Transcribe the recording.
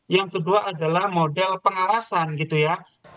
yang kedua adalah model pengawasan gitu ya